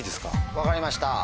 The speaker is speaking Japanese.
分かりました。